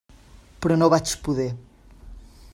Però no vaig poder.